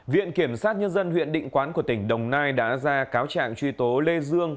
viện kiểm sát nhân dân huyện định quán của tỉnh đồng nai đã ra cáo trạng truy tố lê dương